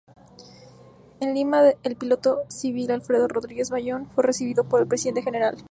En Lima el piloto civil Alfredo Rodríguez Ballón fue recibido por el Presidente Gral.